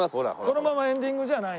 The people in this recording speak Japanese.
このままエンディングじゃない？